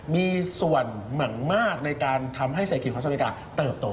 มีส่วนหมั่งมากในการทำให้เศรษฐกิจของอเมริกาเติบโต